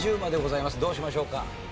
どうしましょうか？